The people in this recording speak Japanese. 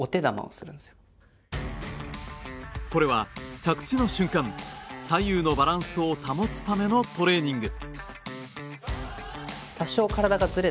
これは、着地の瞬間左右のバランスを保つためのトレーニング。